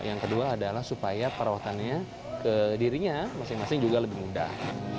yang kedua adalah supaya perawatannya ke dirinya masing masing juga lebih mudah